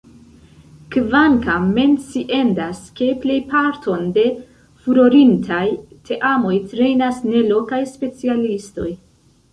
Kvankam menciendas, ke plejparton de furorintaj teamoj trejnas ne lokaj specialistoj.